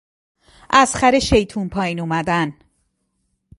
از خر شیطان پائین آمدن